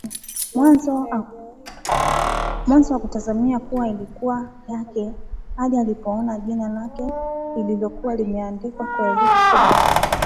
Mwanzo hakutazamia kuwa ilikuwa yake hadi alipoliona jina lake lililokuwa limeandikwa kwa herufi kubwa